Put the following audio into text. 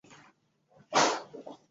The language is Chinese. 在苏联财政部研究所任经济学家。